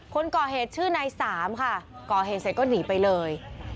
คนก่อเหตุชื่อนายสามค่ะก่อเหตุเสร็จก็หนีไปเลย